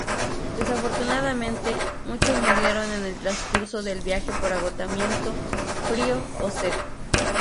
Desafortunadamente, muchos murieron en el transcurso del viaje, por agotamiento, frío o sed.